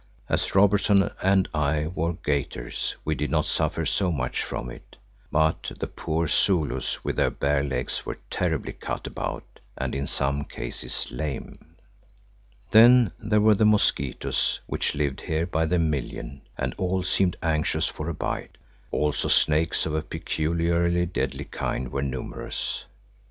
As Robertson and I wore gaiters we did not suffer so much from it, but the poor Zulus with their bare legs were terribly cut about and in some cases lame. Then there were the mosquitoes which lived here by the million and all seemed anxious for a bite; also snakes of a peculiarly deadly kind were numerous.